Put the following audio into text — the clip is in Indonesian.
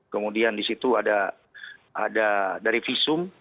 kemudian di situ ada dari visum